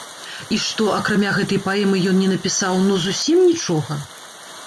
І што, акрамя гэтай паэмы ён не напісаў ну зусім нічога?